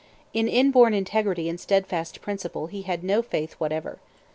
In inborn integrity and steadfast principle he had no faith whatever.